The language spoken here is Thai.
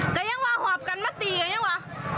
กั๊ยังวาหวาบกันมาตียังวะ